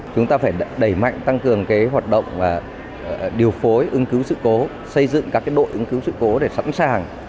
chúng ta phải đẩy mạnh tăng cường hoạt động điều phối ứng cứu sự cố xây dựng các đội ứng cứu sự cố để sẵn sàng